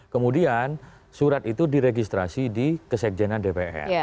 kemudian surat itu diregistrasi di kesekjenan dpr